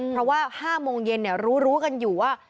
เพราะว่า๕โมงเย็นรู้กันอยู่ว่า